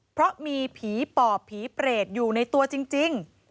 เพราะมีผีปอบผีเปรตอยู่ในตัวจริง